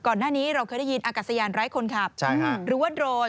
ก่อนหน้านี้เราเคยได้ยินอากาศยานไร้คนขับหรือว่าโดรน